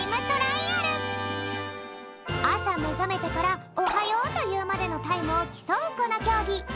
あさめざめてから「おはよう」というまでのタイムをきそうこのきょうぎ。